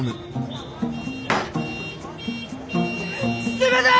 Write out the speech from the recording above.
すいません！